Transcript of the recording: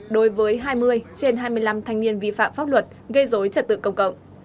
đối với hai mươi trên hai mươi năm thanh niên vi phạm pháp luật gây dối trật tự công cộng